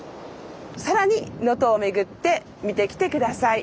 さらに能登を巡って見てきて下さい。